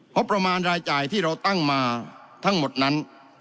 ประมาณรายจ่ายที่เราตั้งมาทั้งหมดนั้น